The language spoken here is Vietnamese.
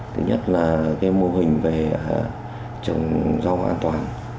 thứ nhất là mô hình về trồng rau an toàn